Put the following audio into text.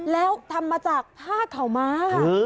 แล้วทำมาจากผ้าข่าวม้าค่ะ